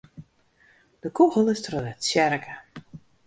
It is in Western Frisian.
De kûgel is troch de tsjerke.